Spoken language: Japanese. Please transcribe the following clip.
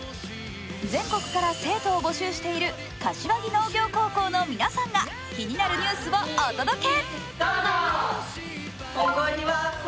全国から生徒を募集している柏木農業高校の皆さんが気になるニュースをお届け。